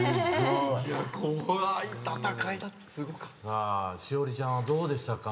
さあしおりちゃんはどうでしたか？